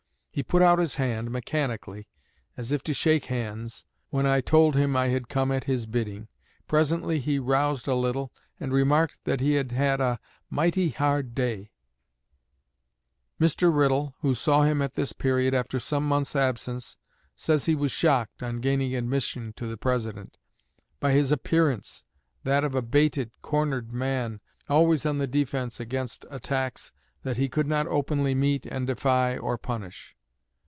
He put out his hand, mechanically, as if to shake hands, when I told him I had come at his bidding. Presently he roused a little, and remarked that he had had 'a mighty hard day.'" Mr. Riddle, who saw him at this period, after some months' absence, says he was shocked, on gaining admission to the President, "by his appearance that of a baited, cornered man, always on the defense against attacks that he could not openly meet and defy or punish."